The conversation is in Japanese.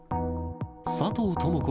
佐藤智子